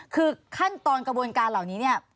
คือขั้นตอนกระบวนการเหล่านี้เนี่ย